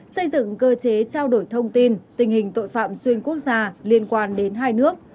xây dựng cơ chế trao đổi thông tin tình hình tội phạm xuyên quốc gia liên quan đến hai nước